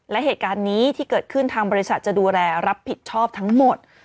และเหตุการณ์นี้ที่เกิดขึ้นทางบริษัทจะดูแลรับผิดชอบทั้งหมด